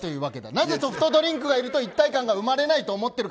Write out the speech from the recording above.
なぜソフトドリンクがいると一体感が出ないと思われているか。